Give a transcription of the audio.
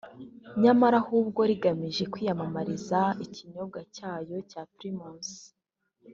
nyamara ahubwo rigamije kwiyamamariza ikinyobwa cyayo cya Primus